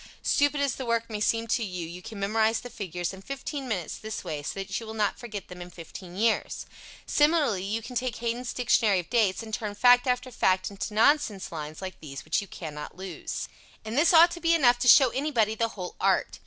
Stupid as the work may seem to you, you can memorize the figures in fifteen minutes this way so that you will not forget them in fifteen years. Similarly you can take Haydn's Dictionary of Dates and turn fact after fact into nonsense lines like these which you cannot lose. And this ought to be enough to show anybody the whole art.